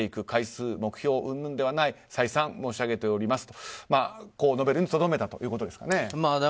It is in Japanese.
回数、目標うんぬんではない再三、申し上げておりますと述べるにとどめたということです。